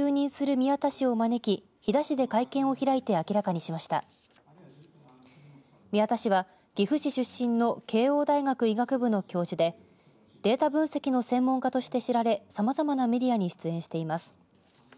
宮田氏は、岐阜市出身の慶応大学医学部の教授でデータ分析の専門家として知られさまざまなメディアに出演しています。